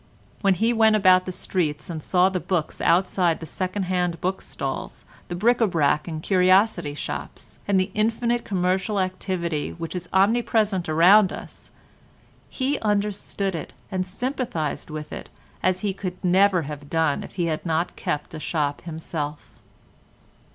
When he went about the streets and saw the books outside the second hand book stalls, the bric a brac in the curiosity shops, and the infinite commercial activity which is omnipresent around us, he understood it and sympathised with it as he could never have done if he had not kept a shop himself.